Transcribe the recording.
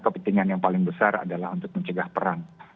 kepentingan yang paling besar adalah untuk mencegah perang